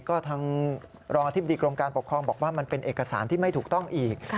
ก็ทางรองอธิบดีกรมการปกครองบอกว่ามันเป็นเอกสารที่ไม่ถูกต้องอีก